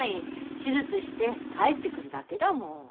手術して帰ってくるだけだもん。